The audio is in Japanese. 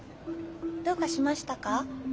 どうかしましたか？